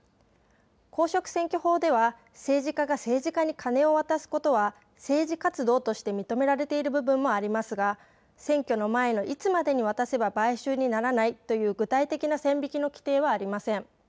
公職選挙法では政治家が政治家にカネを渡すことは政治活動として認められている部分もありますが選挙の前のいつまでに渡せば買収にならないという具体的な線引きの規定はありません。